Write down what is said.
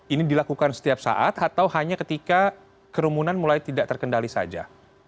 ini dilakukan setiap saat atau hanya ketika kerumunan mulai tidak terkendali saja